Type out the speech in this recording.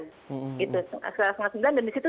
gitu setengah sembilan dan disitu